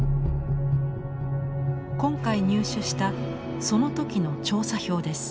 今回入手したその時の調査票です。